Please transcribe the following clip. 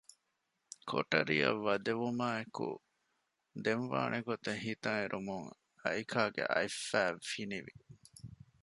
ކޮޓަރިއަށް ވަދެވުމާއެކު ދެން ވާނެގޮތް ހިތަށް އެރުމުން އައިކާގެ އަތްފައި ފިނިވި